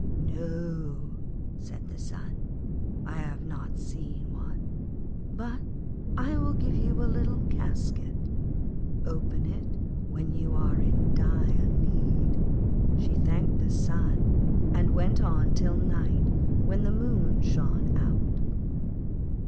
'No,' said the Sun, 'I have not seen one; but I will give you a little casket. Open it when you are in dire need.' She thanked the Sun, and went on till night, when the Moon shone out.